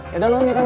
ya dahulu nih kang